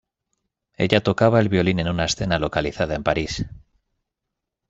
Ella tocaba el violín en una escena localizada en París.